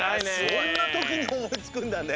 そんなときにおもいつくんだね。